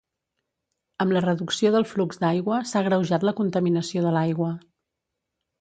Amb la reducció del flux d’aigua, s’ha agreujat la contaminació de l'aigua.